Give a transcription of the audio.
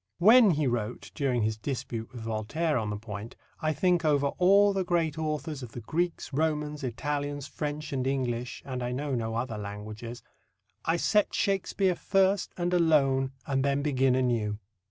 "When," he wrote, during his dispute with Voltaire on the point, "I think over all the great authors of the Greeks, Romans, Italians, French and English (and I know no other languages), I set Shakespeare first and alone and then begin anew."